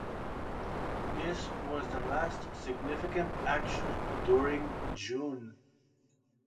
This was the last significant action during June.